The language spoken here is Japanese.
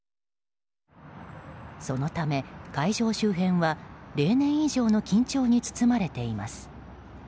そのため会場周辺は、例年以上の緊張に包まれています。